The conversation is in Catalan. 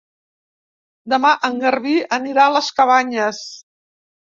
Demà en Garbí anirà a les Cabanyes.